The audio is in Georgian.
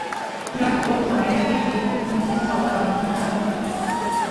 ურარტუელთა რელიგიას, ძირითადად, ბუნების ძალთა გაღმერთება წარმოადგენდა.